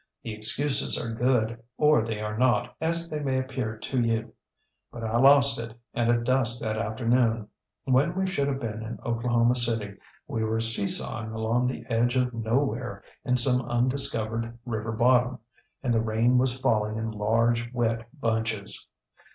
The excuses are good or they are not, as they may appear to you. But I lost it, and at dusk that afternoon, when we should have been in Oklahoma City, we were seesawing along the edge of nowhere in some undiscovered river bottom, and the rain was falling in large, wet bunches.